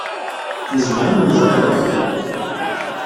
Nezmer ad nemẓeṛ iḍ-aki?